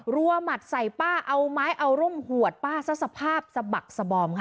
รัวหมัดใส่ป้าเอาไม้เอาร่มหัวป้าซะสภาพสะบักสบอมค่ะ